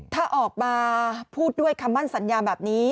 ถ้าออกมาพูดด้วยคำมั่นสัญญาแบบนี้